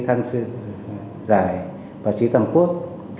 mình mang đi tham dự giải báo chí tầm quốc